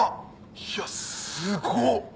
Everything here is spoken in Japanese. いやすごっ！